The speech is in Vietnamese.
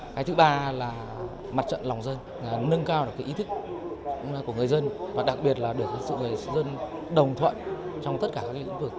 cái thứ ba là mặt trận lòng dân nâng cao được ý thức của người dân và đặc biệt là được sự người dân đồng thuận trong tất cả các lĩnh vực